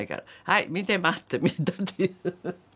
「はい見てます」ってみんなで言う。